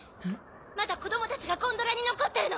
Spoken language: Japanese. まだ子供たちがゴンドラに残ってるの。